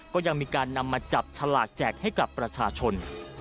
ก็ยังมีการนำมาจับฉลากแจกให้กับประชาชน